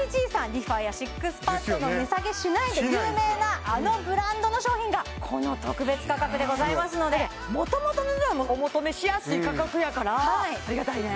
ＲｅＦａやＳＩＸＰＡＤの「値下げしない」で有名なあのブランドの商品がこの特別価格でございますのでもともとの値段もお求めしやすい価格やからありがたいね